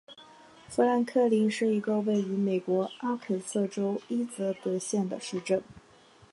富兰克林是一个位于美国阿肯色州伊泽德县的市镇。